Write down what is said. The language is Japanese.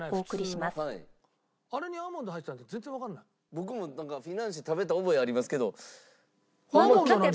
僕もフィナンシェ食べた覚えありますけど。